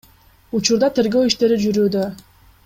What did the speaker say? Учурда тергөө иштери жүрүүдө.